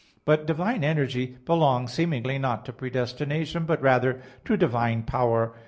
But divine energy belongs seemingly, not to predestination, but rather to divine power.